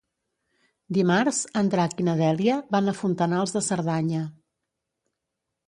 Dimarts en Drac i na Dèlia van a Fontanals de Cerdanya.